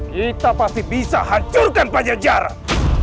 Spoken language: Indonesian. kita pasti bisa hancurkan pajajaran